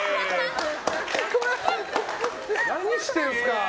何してんすか。